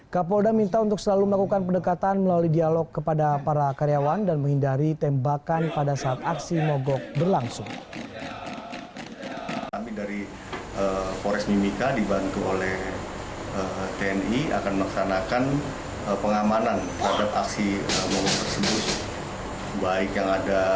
kapolda minta untuk selalu melakukan pendekatan melalui dialog kepada para karyawan dan menghindari tembakan pada saat aksi mogok berlangsung